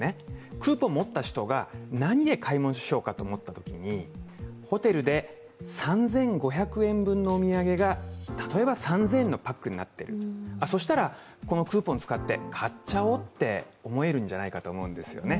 クーポンを持った人が何で買い物をしようかと思ったときに、ホテルで３５００円分のお土産が例えば３０００円のパックになっている、そうしたら、このクーポン使って買っちゃおうって思えるんじゃないかと思うんですよね。